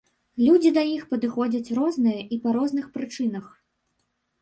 Людзі да іх падыходзяць розныя і па розных прычынах.